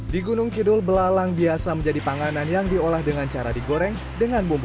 di gunung kidul belalang biasa menjadi panganan yang diolah dengan cara digoreng dengan bumbu